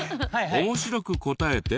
面白く答えて。